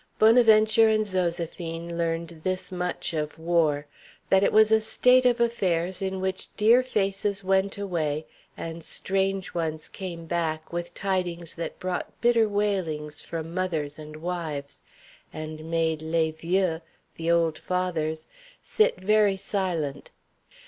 Bonaventure and Zoséphine learned this much of war: that it was a state of affairs in which dear faces went away, and strange ones came back with tidings that brought bitter wailings from mothers and wives, and made les vieux the old fathers sit very silent.